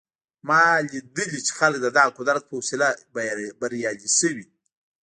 ما لیدلي چې خلک د دغه قدرت په وسیله بریالي شوي